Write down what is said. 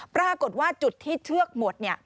ปรากฏว่าจุดที่เชือกหมด